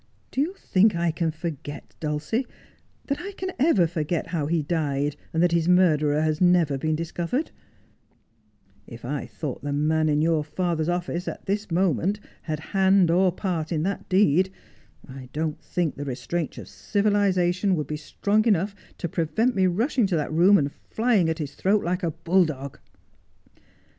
Do you think that I can forget, Dulcie — that I can ever forget how he died, and that his murderer has never been discovered 1 If 1 thought the man in your father's office at this moment had hand or part in that deed, I don't think the restraints of civilization would be strong enough to prevent me rushing to that room and flying at his throat like a bulldog.'